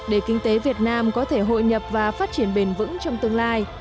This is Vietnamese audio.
để kinh tế việt nam có thể hội nhập và phát triển bền vững trong tương lai